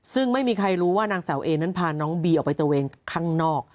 ซึ่งไม่มีใครรู้ว่านางสาวเอนั้นพาน้องบีออกไปตระเวนข้างนอก